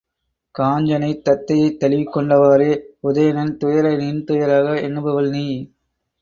காஞ்சனை, தத்தையைத் தழுவிக் கொண்டவாறே, உதயணன் துயரை நின் துயராக எண்ணுபவள் நீ!